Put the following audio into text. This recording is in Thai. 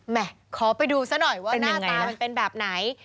ขอไปดูซะหน่อยว่าหน้าตามันเป็นแบบไหน